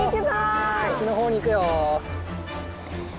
おきのほうに行くよ。